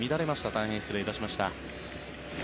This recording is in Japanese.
大変失礼いたしました。